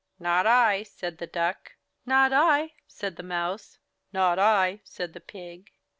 "Not I,'' said the Duck. 'Not I,*' said the Mouse. Not I," said the Pig.